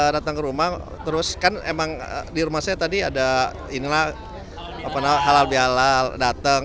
datang ke rumah terus kan emang di rumah saya tadi ada inilah halal bihalal datang